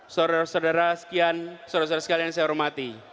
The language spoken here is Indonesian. saudara saudara sekalian saya hormati